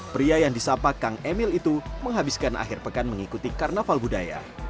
pria yang disapa kang emil itu menghabiskan akhir pekan mengikuti karnaval budaya